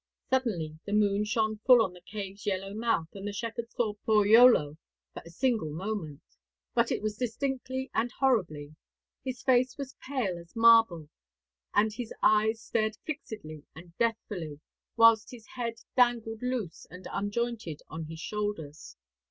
'Suddenly the moon shone full on the cave's yellow mouth, and the shepherd saw poor Iolo for a single moment but it was distinctly and horribly. His face was pale as marble, and his eyes stared fixedly and deathfully, whilst his head dangled loose and unjointed on his shoulders.